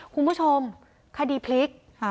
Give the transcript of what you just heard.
คุณผู้ชมคดีพลิก